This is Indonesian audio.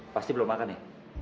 pasti belum makan ya